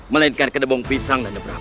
melainkan kedabung pisang nanda prabu